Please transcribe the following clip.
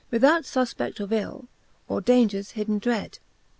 Without fufped of ill or daungers hidden dred.